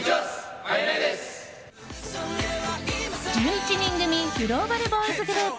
１１人組グローバルボーイズグループ